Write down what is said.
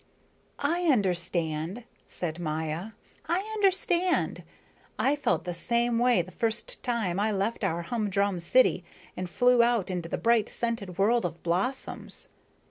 "I understand," said Maya, "I understand. I felt the same way the first time I left our humdrum city and flew out into the bright scented world of blossoms."